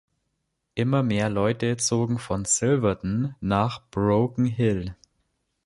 Immer mehr Leute zogen von Silverton nach Broken Hill.